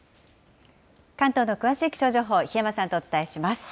関東の詳しい気象情報、檜山さんとお伝えします。